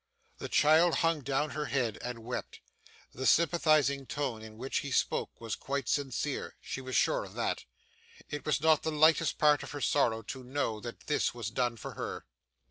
The child hung down her head and wept. The sympathising tone in which he spoke, was quite sincere; she was sure of that. It was not the lightest part of her sorrow to know that this was done for her.